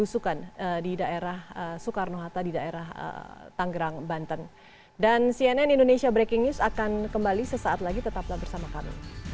saya minta para penjurasa untuk kembali ke tempat yang telah ditemukan